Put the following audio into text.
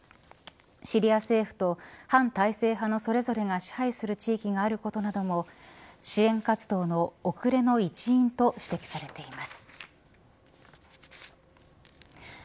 シリア政府と反体制派のそれぞれが支配する地域があることなども支援活動の遅れの一因と指摘されています。